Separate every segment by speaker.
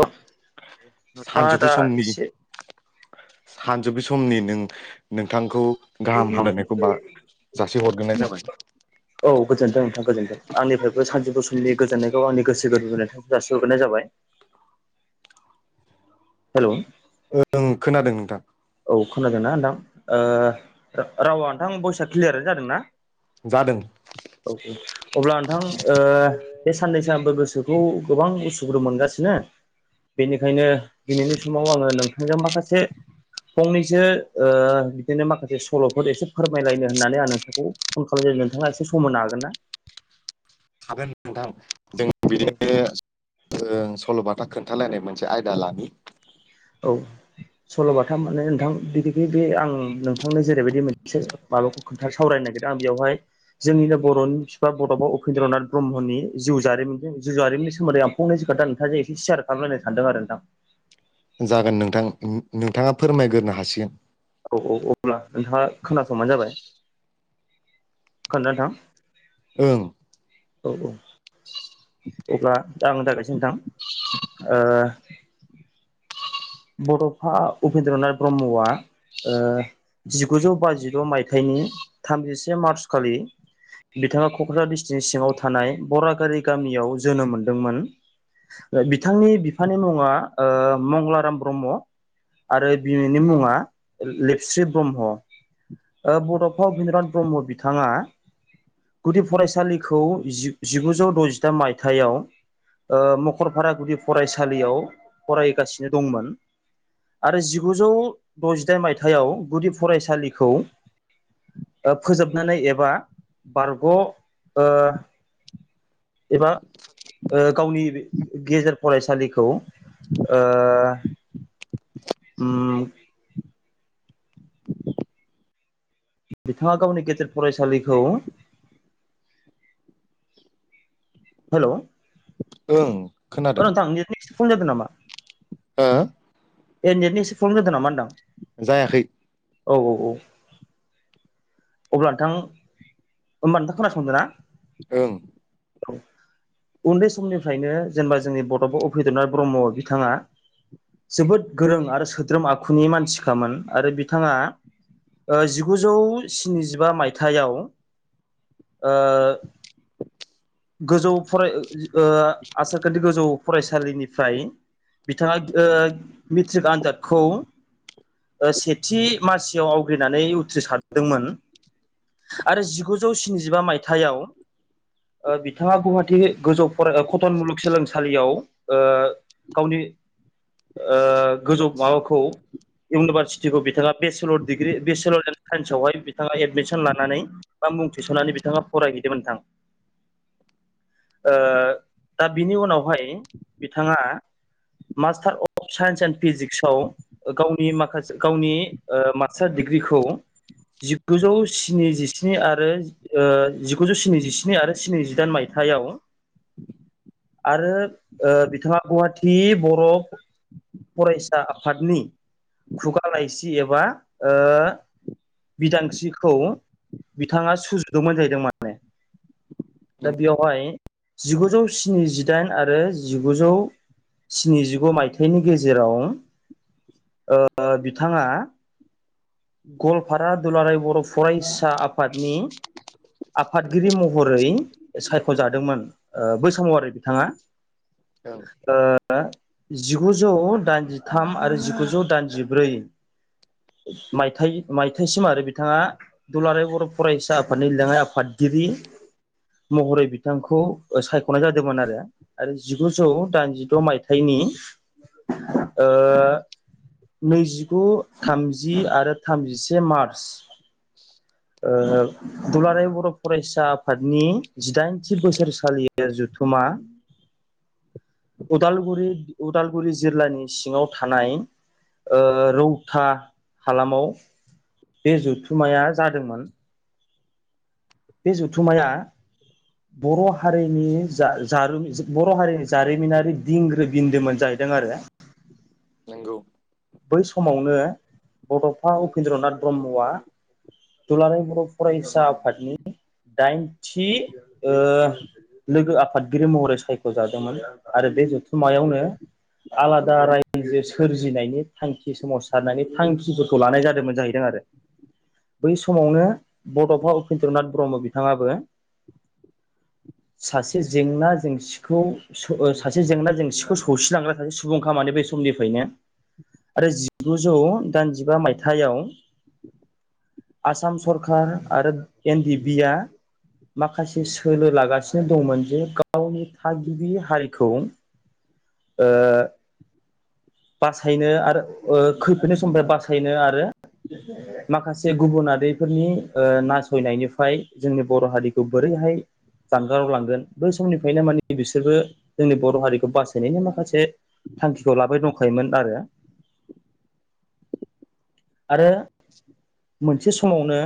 Speaker 1: औ नोंथाङा
Speaker 2: सानजौफु
Speaker 1: दा
Speaker 2: समनि
Speaker 1: एसे
Speaker 2: सानजौफु समनि नों नोंथांखौ। गाहाम हामायनायखौ बा जासि हरग्रोनाय जाबाय।
Speaker 1: [inaudible] औ गोजोन्थों नोंथां गोजोन्थों आंनिफ्रायबो सानजौफु समनि गोजोननायखौ आंनि गोसो गोरबोनिफ्राय जासिहरनाय जाबाय। हेल'।
Speaker 2: ओं खोनादों नोंथां [unintelligible]
Speaker 1: औ खोनादोंना नोंथां ओ रावा नोंथां बयसा क्लियारानो जादोंना।
Speaker 2: जादों।
Speaker 1: औ। अब्ला नोंथां ओ बे साननैसोबो गोसोखौ गोबां उसु गुदु मोनगासिनो बेनिखायनो दिनैनि समाव आङो नोंथांजों माखासे फंनैसो ओ बिदिनो माखासे सल'फोर एसे फोरमायलायनो होननानै आं नोंथांखौ फन खालाम जादों नोंथाङा एसे सम मोननो हागोन ना?
Speaker 2: हागोन नोंथां जों
Speaker 1: औ
Speaker 2: बिदिनो [unintelligible] ओ सल'बाथा खोन्थालायनाय मोनसे आयदा लानि।
Speaker 1: औ सल'बाथा माने नोंथां बिदिखै बे आं नोंथांनो जेरैबायदि मोनसे माबाखौ खोन्था सावरायनो नागिरदों आं बेवहाय जोंनिनो बर'नि बिफा बड'फा उपेन्द्रनाथ ब्रह्मनि जिउ जारिमिनजों जिउ जारिमनि सोमोन्दै आं फंनैसो खोथा नोंथां जे एसे सेयार खालामलाय सानदों आरो नोंथां।
Speaker 2: जागोन नोंथां नोंथाङा फोरमायग्रोनो हासिगोन।
Speaker 1: औ- औ अब्ला नोंथाङा खोनासंबानो जाबाय [unintelligible]
Speaker 2: ओं
Speaker 1: औ - औ। अब्ला दा आंनि [unintelligible] नोंथां बड'फा उपेन्द्रनाथ ब्रह्मआ ओ जिगुजौ बाजिद' मायथाइनि थामजिसे मार्च खालि बिथाङा क'क्राझार डिस्ट्रिक्टनि सिङाव थानाय बरागारि गामियाव जोनोम मोनदोंमोन। बिथांनि बिफानि मुङा मंलाराम ब्रह्म आरो बिनि मुङा लेपस्रि ब्रह्म। ओ बड'फा [unintelligible] ब्रह्म बिथाङा गुदि फरायसालिखौ जिगुजौ द'जिथाम मायथाइयाव मखरफारागुदि फरायसालियाव फरायगासिनो दंमोन। आरो जिगुजौ द'जिदाइन मायथाइयाव गुदि फरायसालिखौ ओ फोजोबनानै एबा बारग' ओ एबा ओ गावनि गेजेर फरायसालिखौ ओ उम। बिथाङा गावनि गेेजेर फरायसालिखौ हेल'
Speaker 2: ओं खोनादों
Speaker 1: नेटनि एसे प्रब्लेम जादों नामा
Speaker 2: हो‌
Speaker 1: ए नेटनि एसे प्रबम जादों नामा होनदां
Speaker 2: जायाखै
Speaker 1: औ -औ -औ। अब्ला नोंथां होमबा नोंथां खोनासंदों ना।
Speaker 2: ओं
Speaker 1: औ उन्दै समनिफ्रायनो जेनेबा जोंनि बड'फा उफेद्र'नाथ ब्रह्म बिथाङा जोबोद गोरों आरो सोद्रोम आखुनि मानसिखामोन आरो बिथाङा ओ जिगुजौ स्निजिबा मायथाइआव ओ गोजौ फराय ओ ओ आसारखान्थि गोजौ फरायसालिनिफ्राय बिथाङा ओ मेट्रिक आनजादखौ ओ सेथि मासियाव आवग्रिनानै उथ्रिसारदोंमोन आरो जिगुजौ स्निजिबा मायथाइयाव ओ बिथाङा गुवाहाटी गोजौ फराय कतन मुलुगसोलोंसालियाव ओ गावनि ओ गोजौ माबाखौ इउनिभारसिटिखौ बिथाङा bachelor degree bachelor and science आवहाय बिथाङा एडमिसन लानानै बा मुं थिसननानै बिथाङा फरायहैदोंमोन नोंथां ओ दा बिनि उनावहाय बिथाङा मास्टार अफ साइन्स एण्ड फिजिक्साव ओ गावनि माखासे गावनि ओ मास्टार डिग्रिखौ जिगुजौ स्निजिस्नि आरो ओ जिगुजौ स्निजिस्नि आरो स्निजिदाइन मायथाइआव आरो ओ बिथाङा गुवाहाटी बर' फरायसा आफादनि खुगा लाइसि एबा ओ बिदांस्रिखौ बिथाङा सुजुदोंमोन जाहैदोंमोन बेयावहाय जिगुजौ स्निजिदाइन आरो जिगुजौ स्निजिगु मायथाइनि गेजेराव ओ बिथाङा गलपारा दुलाराय बर फरायसा आफादनि आफादगिरि महरै सायख'जादोंमोन ओ बै समाव आरो बिथाङा
Speaker 2: ओं
Speaker 1: ओ जिगुजौ दाइनजिथाम आरो जिगुजौ दाइनजिब्रै मायथाइ मायथाइसिम आरो बिथाङा दुलाराय बर फरायसा आफादनि लेङाइ आफादगिरि महरै बिथांखौ ओ सायखनाय जादोंमोन आरो आरो जिगुजौ दाइनजिद' मायथाइनि ओ नैजिगु थामजि आरो थामजिसे मार्च ओ दुलाराय बर' फरायसा आफादनि जिदाइनथि बोसोरसालिया जथुमा लांदां उदालगुरि उदालगुरि जिल्लानि सिङाव थानाय ओ रौता हालामाव बे जथुम्माया जादोंमोन बे जुथुमाया बर' हारिनि जा जारोम जा बर' हारिनि जारिमिनारि दिंग्रो बिन्दोमोन जाहैदों आरो
Speaker 2: नंगौ
Speaker 1: बै समावनो बडफा उपेन्द्र'नाथ ब्रह्मआ दुलाराय बर फरायसा आफादनि दाइनथि ओ लोगो आफादगिरि महरै सायख'जादोंमोन आरो बे जुथुमायावनो आलादा रायजो सोरजिनायनि थांखि सोमावसारनायनि थांखिफोरखौ लानाय जादोंमोन जाहैदों आरो बै समावनो बड'फा उपेन्द्र'नाथ ब्रह्म बिथाङाबो सासे जेंना जेंसि सिखौ सासे जेंना जेंसिखौ सौसिलांग्रा सासे सुबुंखा माने बे समनिफ्रायनो आरो जिगुजौ दाइनजिबा मायथाइयाव आसाम सरखार आरो एन डि एफ बि आ माखासे सोलो लागासिनो दंमोन जे गावनि थागिबि हारिखौ ओ बासायनो आरो ओ खैफोदनि समनिफ्राय बासायनो आरो माखासे गुबुन आरिफोरनि ओ नासयनायनिफ्राय जोंनि बर' हारिखौ बोरैहाय जानगाराव लांगोन बै समनिफ्रायनो मानि बिसोरबो जोंनि बर' हारिखौ बासायनायनि माखासे थांखिखौ लाबाय दंखायोमोन आरो आरो
Speaker 2: [inaudible]
Speaker 1: मोनसे समावनो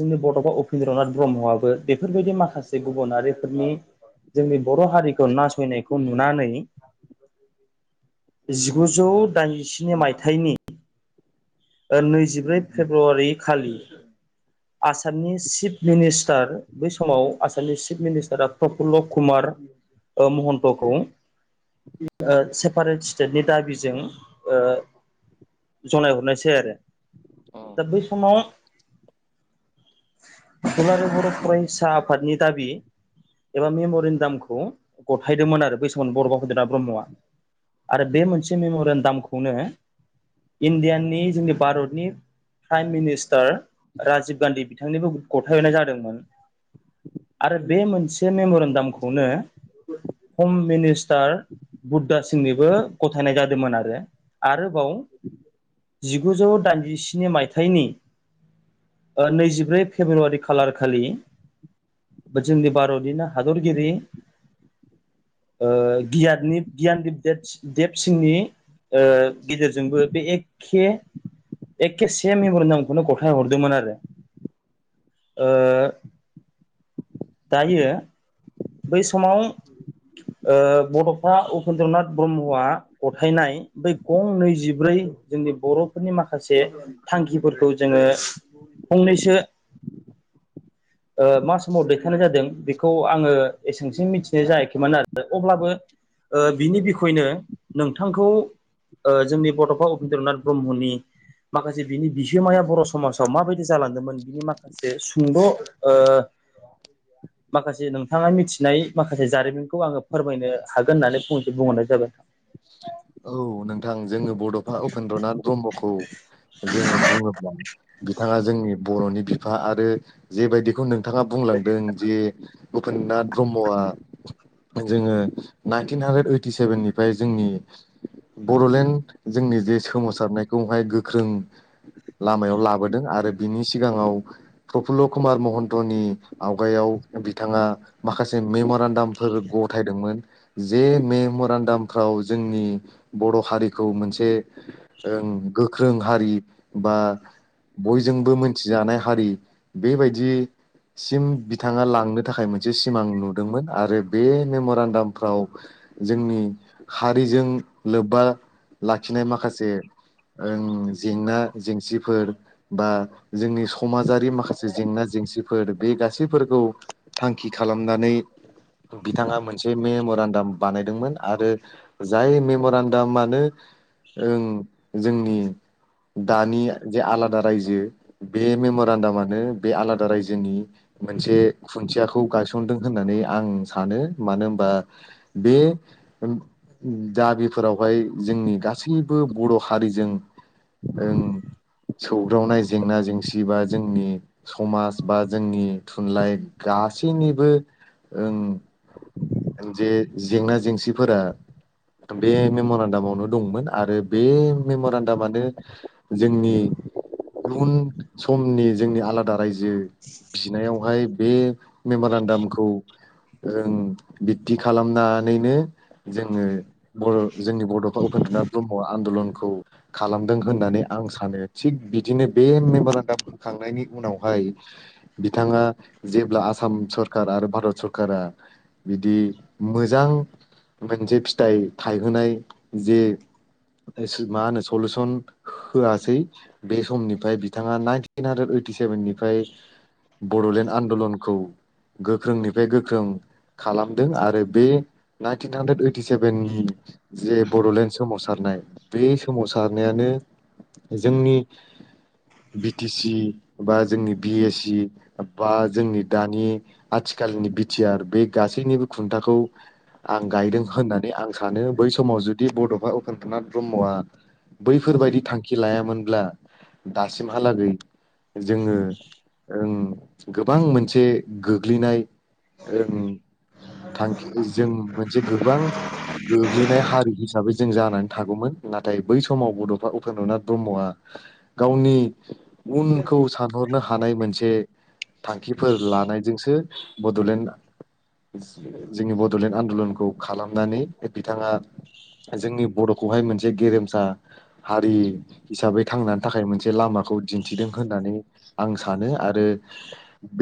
Speaker 1: जोंनि बड'फा उपेन्द्रनाथ ब्रह्मआबो बेफोरबायदि माखासे गुबुनारिफोरनि जोंनि बर हारिखौ नासयनायखौ नुनानै गुजौ दाइनजिस्नि मायथाइनि ओ नैजिब्रै फेब्रुवारि खालि आसामनि चिफ मिनिस्टार बै समाव आसामनि चिफ मिनिस्टारा प्रफुल्ल' कुमार ओ महन्तखौ ओ सेपारेट स्टेटनि दाबिजों ओ जनायहरनाय सै सै आरो दा
Speaker 2: औ
Speaker 1: बै समाव दुलाराय बर फरायसा आफादनि दाबि एबा मेमरिन्दामखौ गथायदोंमोन आरो बै समाव [unintelligible] ब्रह्मआ आरो बे मोनसे मेमरेन्दामखौनो इण्डियानि जोंनि भारतनि प्राइम मिनिस्टार राजिब गान्धी बिथांनिबो गथायहरनाय जादोंमोन। आरो बे मोनसे मेम'रिन्डामखौनो हम मिनिस्टार बुद्धा सिंनिबो गथायनाय जादोंमोन आरो आरोबाव जिगुजौ दाइन जि स्नि मायथाइनि ओ नैजिब्रै फेब्रुवारि खालारखालि बा जोंनि भारतनिनो हादरगिरि ओ गियादनि गियानदिं देब सिंनि ओ गेदिरजोंबो बे एक खे एके से मेमरि नामखौनो गथाय हरदोंमोन आरो। ओ दायो बै समाव ओ बड'फा उपेन्द्र नाथ ब्रह्मआ गथायनाय बै गं नैजिब्रै जोंनि बर'फोरनि माखासे थांखिफोरखौ जोङो फंनैसो मा समाव दैखांनाय जादों बेखौ आङो एसे सिम मिथिनाय जायाखैमोन आरो अब्लाबो ओ बिनि बिखयनो नोंथांखौ जोंनि बडफा उपेन्द्र नाथ ब्रह्मनि माखासे बिनि बिहोमाया बर समाजाव माबायदि जालांदोंमोन बिनि माखा जे सुंद ओ माखासे नों थाङा मिथिनाय माखासे जारिमिनखौ आङो फोरमायनो हागोन होननानै फंनैसो बुंहरनाय जाबाय।
Speaker 2: औ नोंथां जोङो बडफा उपेन्द्रनाथ ब्रह्मखौ जोङो बुङोब्ला बिथाङा जोंनि बरनि बिफा आरो जेबायदिखौ नों थांआ बुंलांदों जे उपेन्द्र नाथ ब्रह्मआ जोङो नाइनटिन हानड्रेद ओइटि सेभेननिफ्राय जोंनि बडलेण्ड जोंनि जे सोमावसारनायखौहाय गोख्रों लामायाव लाबोदों आरो बिनि सिगाङाव प्रफुल्ल कुमार महन्तनि आवगायाव बिथाङा माखासे मेमरान्डाम [unintelligible] गथाय दोंमोन जे मेमरान्डाम खौ जोंनि बर हारिखौ मोनसे ओं गोख्रों हारि बा बयजोंबो मोनथिजानाय हारि बेबायदि सिम बिथाङा लांनो थाखाय मोनसे सिमां नुदोंमोन आरो बे मेम'रेन्दामफ्राव जोंनि खारिजों लोब्बा लाखिनाय माखासे ओं जेंना जेंसिफोर बा जोंनि समाजारि माखासे जेंना जेंसिफोर बे गासैफोरखौ थांखि खालामनानै बिथाङा मोनसे मेमरान्दाम बानायदोंमोन आरो जाय मेमरान्दामानो आनो जोंनि दानि जे आलादा रायजो बे मेमरेन्डामानो बे आलादा रायजोनि मोनसे खुन्थियाखौ गायसनदों होननानै आं सानो। मानो होनबा बे ओम। ओम दाबिफोरावहाय जोंनि गासैबो बर‌ हारिजों ओम सौग्रावनाय जेंना जेंसि बा जोंनि समाज बा जोंनि थुनलाइ गासैनिबो ओं जे जेंना जेंसिफोरा बे मेम'रेन्दामावनो दंमोन आरो बे मेम'रेन्दामानो जोंनि इउन समनि जोंनि आलादा रायजो बिनायावहाय बे मेमारान्दामखौ ओं बिब्दि खालामनानैनो जोङो बर' जोंनि बड'फा उपेन्द्रनाथ ब्रह्मआ आन्दलनखौ खालामदों होननानै आं सानो। थिग बिदिनो बे मेमरेन्दाम होखांनायनि उनावहाय बिथाङा जेब्ला आसाम सरखारा आरो भारत सरकारा बिदि मोजां मोनसे फिथाइ थायहोनाय जे मा होनो सलुसन होआसै बे समनिफ्राय बिथाङा नाइनटिन हानद्रेद ओइटि सेभेननिफ्राय बड'लेण्ड आन्दलनखौ गोख्रोंनिफ्राय गोख्रों खालामदों आरो बे टिन हानड्रेद ओइटि सेभेननि जे बड'लेण्ड सोमावसारनाय बे सोमावसारनायानो जोंनि बि टि सि बा जोंनि बि एस सि बा जोंनि दानि आथिखालनि बिटिआर बे गासैनिबो खुन्थाखौ आं गायदों होननानै आं सानो। बै समाव जुदि दि बड'फा उपेन्द्रनाथ ब्रह्मआ बैफोरबायदि थांखि लायामोनब्ला दासिमहालागै जोङो ओं गोबां मोनसे गोग्लैनाय ओं थांखि जों मोनसे गोबां गोग्लैनाय हारि हिसाबै जों जानानै थागौमोन। नाथाय बै समाव बड'फा उपेन्द्रनाथ ब्रह्मआ गावनि उनखौ सान सानहरनो हानाय मोनसे थांखिफोर लानायजोंसो बड'लेण्ड जोंनि बड'लेण्ड आन्दलनखौ खालामनानै बिथाङा जोंनि बर'खौहाय मोनसे गेरेमसा हारि हिसाबै थांनानै थाखाय मोनसे लामाखौ दिन्थिदों होननानै आं सानो आरो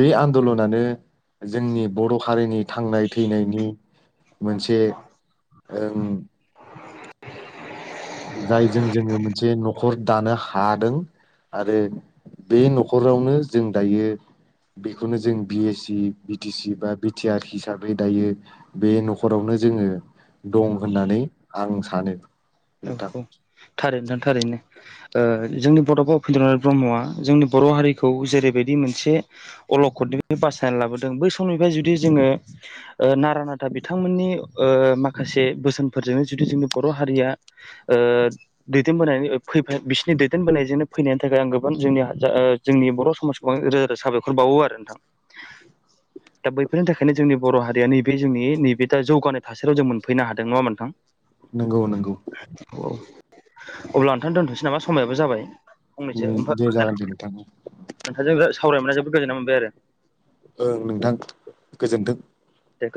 Speaker 2: बे आन्दलनानो जोंनि बर' हारिनि थांनाय थैनायनि मोनसे ओं जायजों जोङो मोनसे न'खर दानो हादों आरो बे न'खरावनो जों दायो बेखौनो जों बि एस सि बि टि सि बा बि टि आर हिसाबै दायो बे न'खरावनो जोङो दं होननानै आं सानो।
Speaker 1: औ
Speaker 2: नोंथां
Speaker 1: औ थारैनो नोंथां थारैनो। ओ जोंनि बड'फा उपेन्द्रनाथ ब्रह्मआ जोंनि बर' हारिखौ जेरैबायदि मोनसे अलखदनि बासायना लाबोदों बै समनिफ्राय जुदि जोङो नारा नाथा बिथांमोननि ओ माखासे बोसोनफोरजोंनो जुदि जोंनि बर' हारिया आ द दैदेनबोनायनि फै बिसोरनि दैदेनबोनायजोंनो फैनायनि थाखाय आं गोबां जोंनि जोंनि बर' समाजखौ गोबां रोजा रोजा साबायखर बावो आरो नोंथां दा बैफोरनि थाखायनो जोंनि बर' हारिया नैबे जोंनि नैबे दा जौगानाय थासारियाव जों मोनफैनो हादों नङाहोनबा नोंथां
Speaker 2: नंगौ नंगौ
Speaker 1: औ अब्ला नोंथां दोनथ'नोसै नामा समायाबो जाबाय फंनैसो
Speaker 2: उम, दे
Speaker 1: ओमफ्राय
Speaker 2: जागोन दे नोंथां
Speaker 1: नोंथांजों सावरायमोननानै जोबोद गोजोननाय मोनबाय आरो
Speaker 2: ओं नोंथां गोजोन्थों
Speaker 1: गोजोन